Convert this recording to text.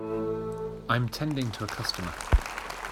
I am tending to a customer.